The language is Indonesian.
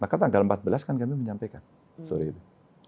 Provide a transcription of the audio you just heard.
maka tanggal empat belas kan kami menyampaikan sore itu